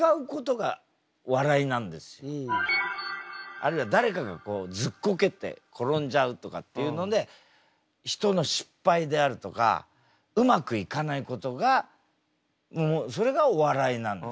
あるいは誰かがずっこけて転んじゃうとかっていうので人の失敗であるとかうまくいかないことがもうそれがお笑いなんです。